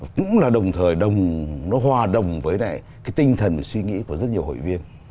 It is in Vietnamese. cũng là đồng thời nó hòa đồng với tinh thần suy nghĩ của rất nhiều hội viên